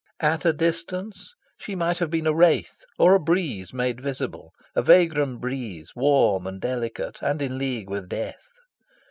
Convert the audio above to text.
At a distance, she might have been a wraith; or a breeze made visible; a vagrom breeze, warm and delicate, and in league with death.